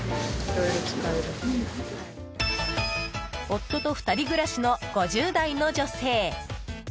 夫と２人暮らしの５０代の女性。